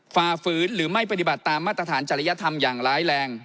ฝ่าฝืนหรือไม่ปฏิบัติตามมาตรฐานจริยธรรมอย่างร้ายแรง